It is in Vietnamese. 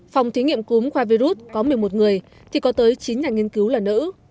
phòng thí nghiệm cúm khoa virus có một mươi một người thì có tới chín nhà nghiên cứu là nữ